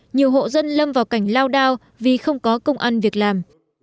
nhiều hộ dân lâm vào cảnh lao đao vì không có công ăn việc làm